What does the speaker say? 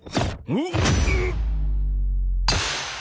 うっ！